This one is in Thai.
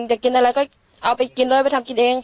จะกินอะไรก็เอาไปกินเลยไปทำกินเอง